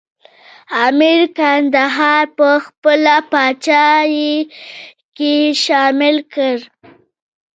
امیر کندهار په خپله پاچاهۍ کې شامل کړ.